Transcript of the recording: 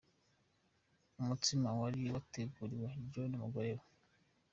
Umutsima wari wateguriwe Joe n'umugore we.